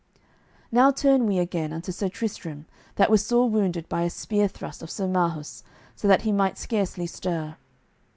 Now turn we again unto Sir Tristram, that was sore wounded by a spear thrust of Sir Marhaus so that he might scarcely stir.